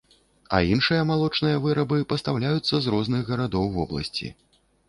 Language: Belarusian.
А іншыя малочныя вырабы пастаўляюцца з розных гарадоў вобласці.